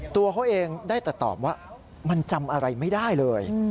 ตัวเขาเองได้แต่ตอบว่ามันจำอะไรไม่ได้เลย